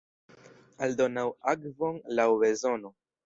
Aldonu akvon laŭ bezono.